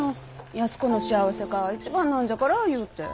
安子の幸せが一番なんじゃから言うて。